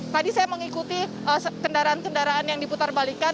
tadi saya mengikuti kendaraan kendaraan yang diputar balikan